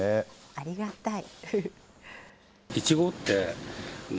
ありがたい。